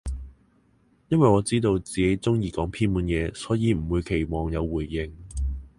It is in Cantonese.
因爲我知道自己中意講偏門嘢，所以唔會期望有回應